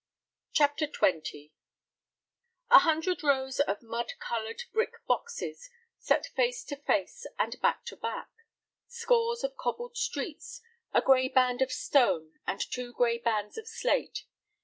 CHAPTER XX A hundred rows of mud colored brick "boxes," set face to face and back to back. Scores of cobbled streets, a gray band of stone, and two gray bands of slate.